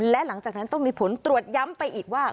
และหลังจากนั้นต้องมีผลตรวจย้ำไปอีกว่า